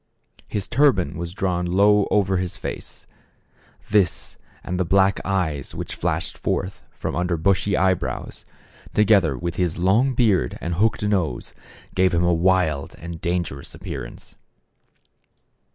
His turban was drawn low over his face ; this and the black eyes which flashed forth from under bushy eyebrows, to gether with his long beard and hooked nose, gave him a wild and dangerous appearance.